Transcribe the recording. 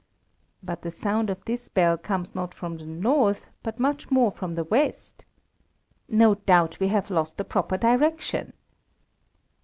"But the sound of this bell comes not from the north, but much more from the west." "No doubt we have lost the proper direction."